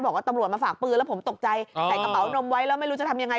บอกว่าตำรวจมาฝากปืนแล้วผมตกใจใส่กระเป๋านมไว้แล้วไม่รู้จะทำยังไง